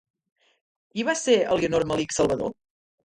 Qui va ser Elionor Malich Salvador?